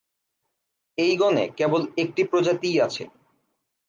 এই গণে কেবল একটি প্রজাতিই আছে।